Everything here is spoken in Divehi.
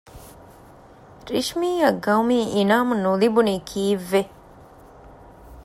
ރިޝްމީއަށް ގައުމީ އިނާމު ނުލިބުނީ ކީއްވެ؟